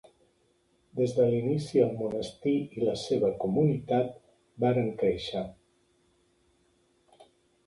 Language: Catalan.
Des de l'inici el monestir i la seva comunitat varen créixer.